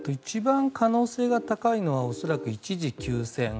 一番可能性が高いのは恐らく一時休戦。